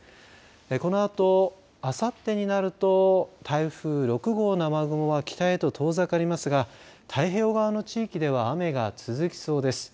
このあと、あさってになると台風６号の雨雲は北へと遠ざかりますが太平洋側の地域では雨が続きそうです。